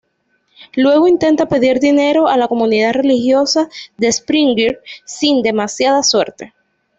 Luego intenta pedir dinero a la comunidad religiosa de Springfield, sin demasiada suerte.